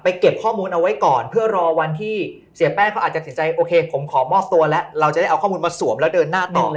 เก็บข้อมูลเอาไว้ก่อนเพื่อรอวันที่เสียแป้งเขาอาจจะติดใจโอเคผมขอมอบตัวแล้วเราจะได้เอาข้อมูลมาสวมแล้วเดินหน้าต่อ